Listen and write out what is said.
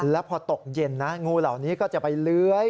แล้วพอตกเย็นนะงูเหล่านี้ก็จะไปเลื้อย